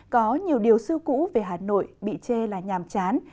có nhiều điều xưa cũ về hà nội bị chê là nhàm chán